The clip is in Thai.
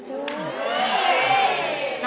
จุ๊บ